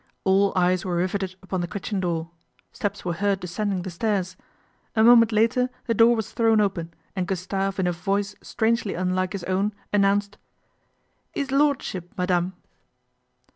All eyes were riveted upon the kitchen door. Steps were heard descending the stairs. A moment later the door was thrown open and Gustave in a voice strangely unlike his own announced :" 'Ees Lordship, madame."